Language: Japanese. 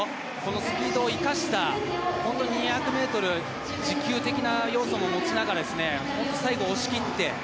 スピードを生かした２００ｍ持久的な要素も持ちながら、最後、押し切って。